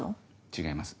違います